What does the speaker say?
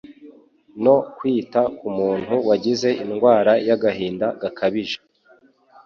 no kwita ku muntu wagize indwara y'agahinda gakabije.